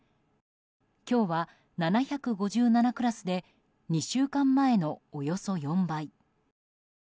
今日は、７５７クラスで２週間前のおよそ４倍。